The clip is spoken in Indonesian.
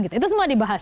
itu semua dibahas